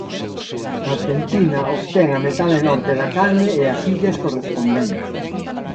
Arxentina obtén a metade norte da canle e as illas correspondentes.